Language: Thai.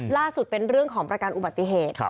ล่าสุดเป็นเรื่องของประกันอุบัติเหตุ